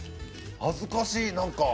恥ずかしい、何か。